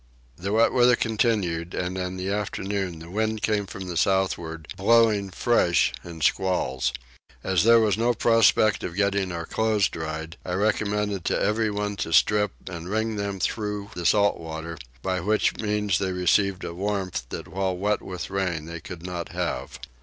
The wet weather continued and in the afternoon the wind came from the southward, blowing fresh in squalls. As there was no prospect of getting our clothes dried I recommended to everyone to strip and wring them through the salt water, by which means they received a warmth that while wet with rain they could not have.